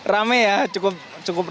rame ya cukup rame